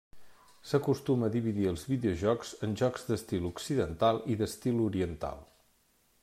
S'acostuma a dividir els videojocs en jocs d'estil occidental i d'estil oriental.